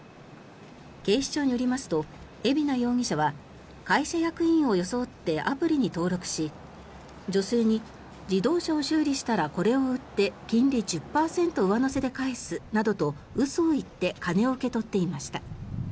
警視庁によりますと海老名容疑者は会社役員を装ってアプリに登録し女性に、自動車を修理したらこれを売って金利１０％上乗せで返すなどと嘘を言って金を受け取っていました。